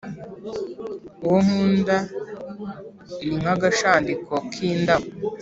Uwo nkunda ni nk’agashandiko k’indabo